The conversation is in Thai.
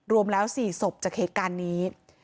รวมแล้ว๔ศพจากเหตุการณ์นี้